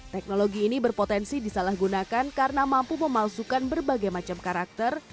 teknologi ini berpotensi disalahgunakan karena mampu memalsukan berbagai macam karakter